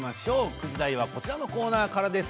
９時台はこちらのコーナーからです。